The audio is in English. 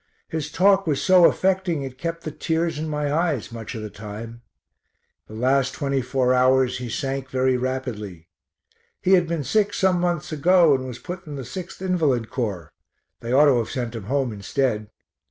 His talk was so affecting it kept the tears in my eyes much of the time. The last twenty four hours he sank very rapidly. He had been sick some months ago and was put in the 6th Invalid Corps they ought to have sent him home instead.